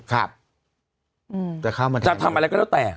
ครับจะเข้ามาแถมจะทำอะไรก็แล้วแต่